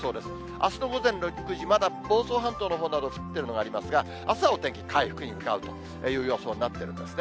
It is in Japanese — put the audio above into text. あすの午前６時、まだ房総半島のほうで降っているのがありますが、朝の天気、回復に向かうという予想になってますね。